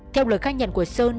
theo lời khách nhận của sơn